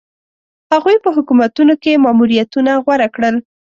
هغوی په حکومتونو کې ماموریتونه غوره کړل.